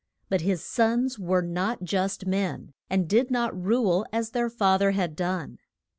But his sons were not just men, and did not rule as their fath er had done.